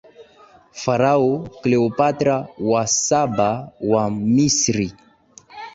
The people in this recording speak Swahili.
Farao Cleopatra wa saba wa Misri